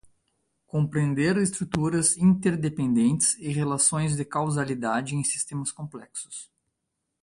Compreender estruturas interdependentes e relações de causalidade em sistemas complexos.